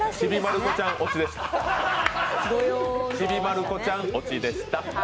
「ちびまる子ちゃん」オチでした。